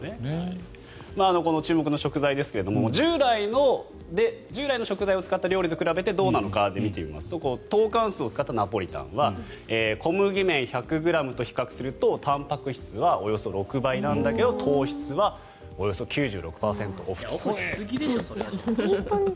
この注目の食材ですが従来の食材を使った料理と比べてどうなのかで見てみますとトーカンスーを使って作ったナポリタンは小麦麺１００ｇと比較するとたんぱく質はおよそ６倍だけどオフしすぎでしょ。